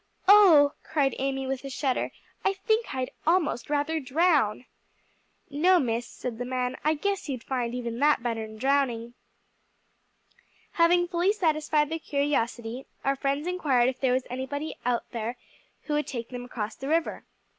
"Oh," cried Amy, with a shudder, "I think I'd almost rather drown." "No, Miss," said the man, "I guess you'd find even that better'n drowning." Having fully satisfied their curiosity, our friends inquired if there was anybody about there who would take them across the river.